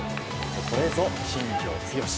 これぞ、新庄剛志。